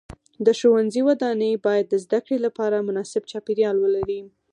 د ښوونځي ودانۍ باید د زده کړې لپاره مناسب چاپیریال ولري.